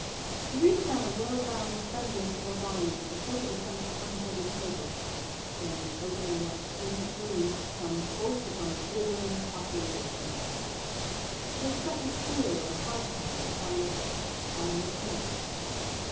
To reach down a well bound semblance of a volume, and hope it is some kind hearted play book, then, opening what "seem its leaves," to come bolt upon a withering Population Essay. To expect a Steele, or a Farquhar, and find Adam Smith.